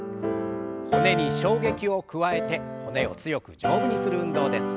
骨に衝撃を加えて骨を強く丈夫にする運動です。